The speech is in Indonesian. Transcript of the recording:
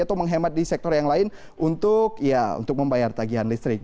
atau menghemat di sektor yang lain untuk ya untuk membayar tagihan listrik